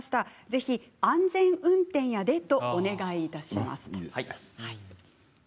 ぜひ安全運転やでとお願いします。